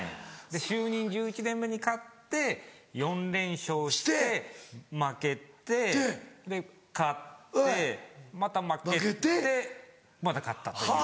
就任１１年目に勝って４連勝して負けてで勝ってまた負けてまた勝ったという。